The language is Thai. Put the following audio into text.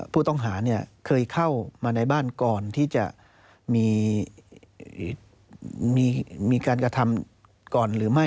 ผู้ต้องหาเคยเข้ามาในบ้านก่อนที่จะมีการกระทำก่อนหรือไม่